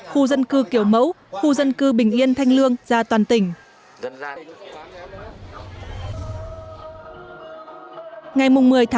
khu dân cư kiểu mẫu khu dân cư bình yên thanh lương ra toàn tỉnh